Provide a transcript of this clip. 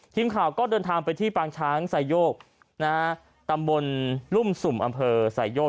ทีมข่าวก็เดินทางไปที่ปางช้างไซโยกนะฮะตำบลรุ่มสุ่มอำเภอไซโยก